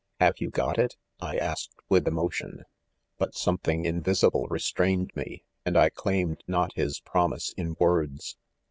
Have you got it 1 — I asked with emotion ; but something invisi ble restrained me, and I claimed not his pro mise in words.